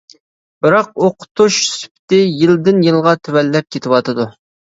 بىراق ئوقۇتۇش سۈپىتى يىلدىن يىلغا تۆۋەنلەپ كېتىۋاتىدۇ.